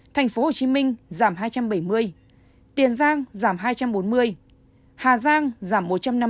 thành phố hồ chí minh giảm hai trăm bảy mươi tiền giang giảm hai trăm bốn mươi hà giang giảm một trăm năm mươi